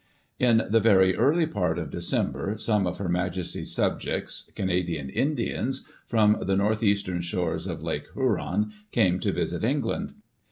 In the very early part of December, some of Her Majesty's subjects, Canadian Indians, from the north eastern shores of Lake Huron, came to visit England.